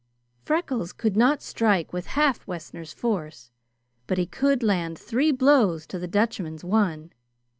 Freckles could not strike with half Wessner's force, but he could land three blows to the Dutchman's one.